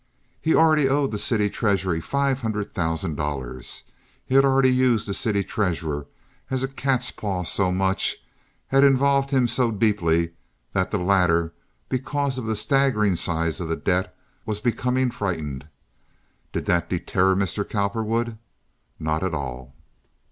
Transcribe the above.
He already owed the city treasury five hundred thousand dollars. He had already used the city treasurer as a cat's paw so much, had involved him so deeply, that the latter, because of the staggering size of the debt, was becoming frightened. Did that deter Mr. Cowperwood? Not at all."